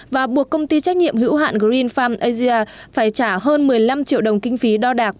và buộc công ty trách nhiệm hữu hạn green farm asia phải trả hơn một mươi năm triệu đồng kinh phí đo đạc